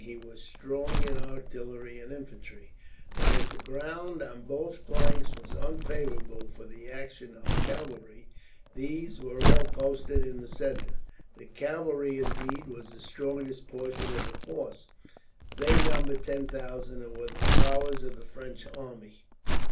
He was strong in artillery and infantry; but as the ground on both flanks was unfavourable for the action of cavalry, these were all posted in the centre. The cavalry, indeed, was the strongest portion of the force. They numbered ten thousand, and were the flower of the French army.